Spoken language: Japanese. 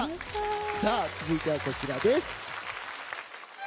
続いてはこちらです。